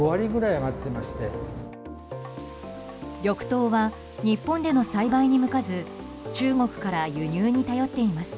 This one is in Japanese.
緑豆は日本での栽培に向かず中国から輸入に頼っています。